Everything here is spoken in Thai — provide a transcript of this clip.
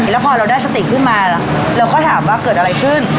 แล้วพอเราได้สติขึ้นมาเราก็ถามว่าเกิดอะไรขึ้น